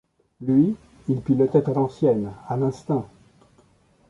Lui, il pilotait à l'ancienne, à l'instinct.